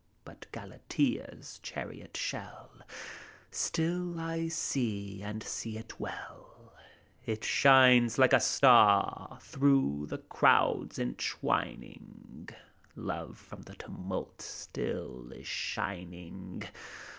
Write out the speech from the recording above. But Ghdatea's chariot shell Still I see, and see it well : It shines like a star Through the crowds intwining. Love from the tumult still is shining!